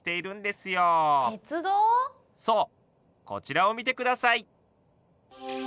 そうこちらを見て下さい。